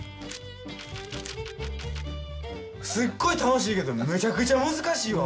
すっごい楽しいけどめちゃくちゃ難しいわ。